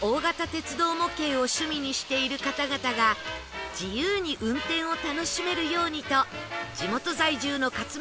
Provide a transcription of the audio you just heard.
鉄道模型を趣味にしている方々が自由に運転を楽しめるようにと